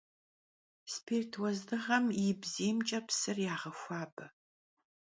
Spirt vuezdığem yi bziymç'e psır yağexuabe.